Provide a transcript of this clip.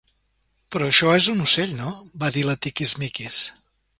Però això és un ocell, no? —va dir la Tiquismiquis.